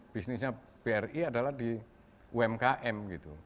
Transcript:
bisnisnya bri adalah di umkm gitu